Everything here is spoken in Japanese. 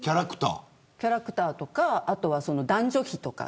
キャラクターとかあとは男女比とか。